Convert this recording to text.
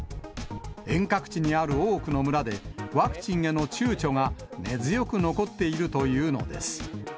遠隔地にある多くの村で、ワクチンへのちゅうちょが、根強く残っているというのです。